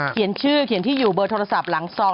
เขียนชื่อเขียนที่อยู่เบอร์โทรศัพท์หลังซอง